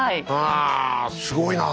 あすごいなあ！